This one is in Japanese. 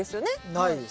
ないです。